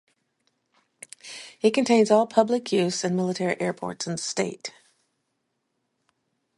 It contains all public-use and military airports in the state.